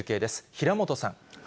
平本さん。